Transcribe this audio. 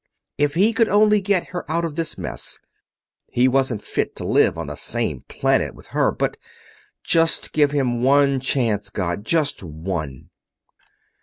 If he could only get her out of this mess ... he wasn't fit to live on the same planet with her, but ... just give him one chance, God ... just one!